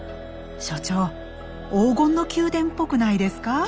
所長黄金の宮殿っぽくないですか？